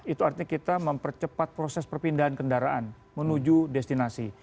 itu artinya kita mempercepat proses perpindahan kendaraan menuju destinasi